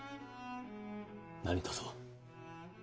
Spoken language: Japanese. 何とぞ。